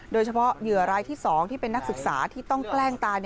เหยื่อรายที่๒ที่เป็นนักศึกษาที่ต้องแกล้งตา